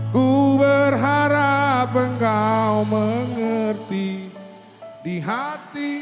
ku berharap engkau mengerti di hati